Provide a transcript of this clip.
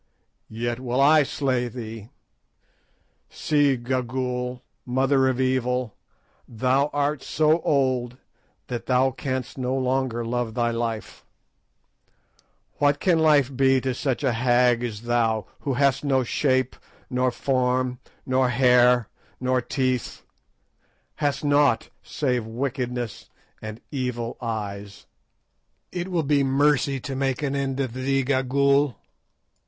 "Yet will I slay thee. See, Gagool, mother of evil, thou art so old that thou canst no longer love thy life. What can life be to such a hag as thou, who hast no shape, nor form, nor hair, nor teeth—hast naught, save wickedness and evil eyes? It will be mercy to make an end of thee, Gagool."